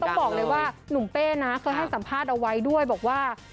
ต้องบอกเลยว่าหนุ่มเป้นะเคยให้สัมภาษณ์เอาไว้ด้วยบอกว่า